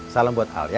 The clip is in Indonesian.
salam buat al ya